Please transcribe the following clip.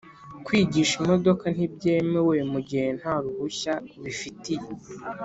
kwigisha imodoka ntibyemewe mugihe ntaruhushya ubifitiye